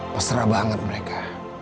mesra banget mereka